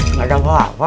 nggak ada apa apa